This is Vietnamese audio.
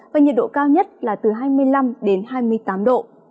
và nhiệt độ cao nhất là từ hai mươi năm đến hai mươi tám độ